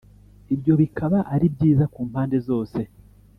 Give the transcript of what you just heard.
ibyo bikaba ari byiza ku mpande zose »